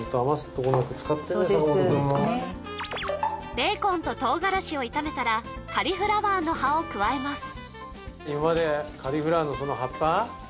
ベーコンと唐辛子を炒めたらカリフラワーの葉を加えますそうですね